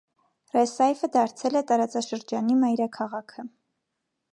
Ռեսայֆը դարձել է տարածաշրջանի մայրաքաղաքը։